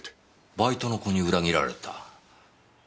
バイトの子に裏切られた？